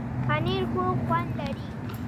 پنېر خوږ خوند لري.